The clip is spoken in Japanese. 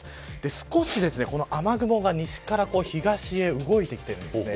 少し雨雲が西から東へ動いてきてるんですね。